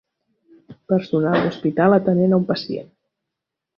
Personal d'hospital atenent a un pacient.